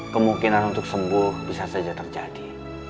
kemungkinan untuk sembuh bisa saja terjadi